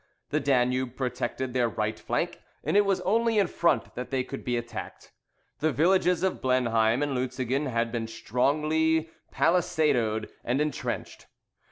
The Danube protected their right flank; and it was only in front that they could be attacked. The villages of Blenheim and Lutzingen had been strongly palisadoed and entrenched.